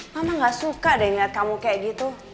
mama enggak suka deh liat kamu kayak gitu